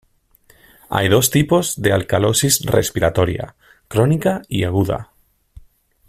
Hay dos tipos de alcalosis respiratoria: crónica y aguda.